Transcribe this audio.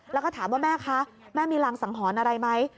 แล้วก็ถามว่าแม่คะแม่มีรังสังหรณ์อะไรไหม